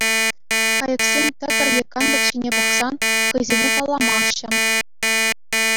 Кайӑксем тӗкӗр е кантӑк ҫине пӑхсан, хӑйсене палламаҫҫӗ.